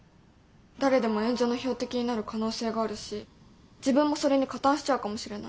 誰でも炎上の標的になる可能性があるし自分もそれに加担しちゃうかもしれない。